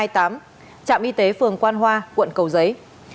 trạm y tế phường quan hoa quận cầu giấy